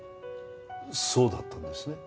そうだったんですね？